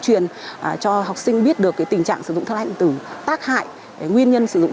truyền cho học sinh biết được tình trạng sử dụng thuốc lá điện tử tác hại nguyên nhân sử dụng